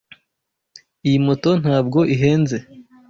Iyo moto ntabwo ihenze.